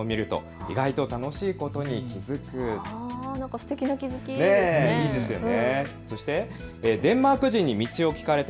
すてきな気付きですね。